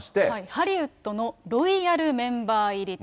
ハリウッドのロイヤルメンバー入りと。